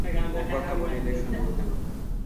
ও কথা বলিলে শুনিব কেন।